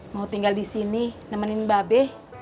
mau tinggal disini nemenin mba be